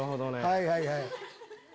はいはいはい。